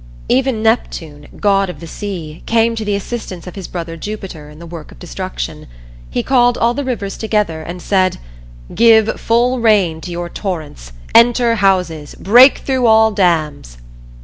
Even Neptune, god of the sea, came to the assistance of his brother Jupiter in the work of destruction. He called all the rivers together and said, "Give full rein to your torrents; enter houses; break through all dams!"